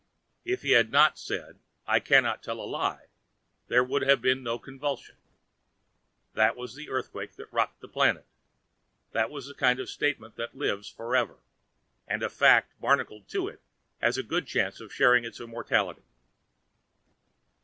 If he hadn't said 'I cannot tell a lie' there would have been no convulsion. That was the earthquake that rocked the planet. That is the kind of statement that lives for ever, and a fact barnacled to it has a good chance to share its immortality.